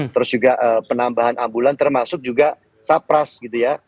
terus juga penambahan ambulan termasuk juga sapras gitu ya